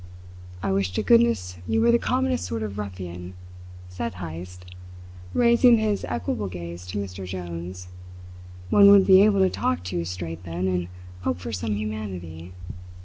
"I wish to goodness you were the commonest sort of ruffian!" said Heyst, raising his equable gaze to Mr. Jones. "One would be able to talk to you straight then, and hope for some humanity.